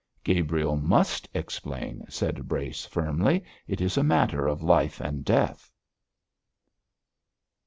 'Gabriel must explain,' said Brace, firmly; 'it is a matter of life and death!'